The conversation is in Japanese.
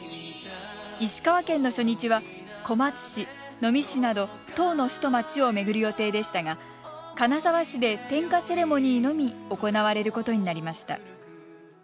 石川県の初日は小松市能美市など１０の市と町を巡る予定でしたが金沢市で点火セレモニーのみ行われることになりました。